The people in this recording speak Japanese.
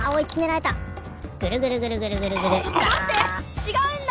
違うんだ！